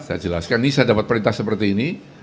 saya jelaskan ini saya dapat perintah seperti ini